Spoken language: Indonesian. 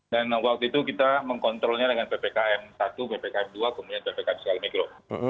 dan waktu itu kita mengkontrolnya dengan ppkm satu ppkm dua kemudian ppkm enam mikro